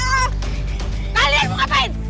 eh kalian mau ngapain